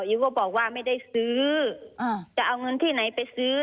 อิ๊วก็บอกว่าไม่ได้ซื้อจะเอาเงินที่ไหนไปซื้อ